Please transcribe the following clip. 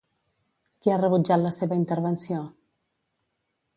Qui ha rebutjat la seva intervenció?